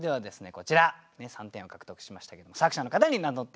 こちら３点を獲得しましたけども作者の方に名乗って頂きたいと思います。